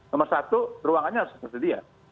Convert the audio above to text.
nomor satu ruangannya harus tersedia